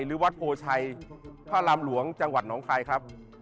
หรือวัดโพชัยพระรามหลวงจังหวัดหนองคายครับ